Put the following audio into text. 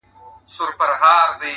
اوس يې ياري كومه ياره مـي ده ـ